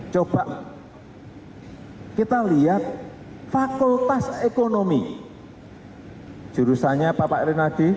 coba kita lihat fakultas ekonomi jurusannya pak rinald kasali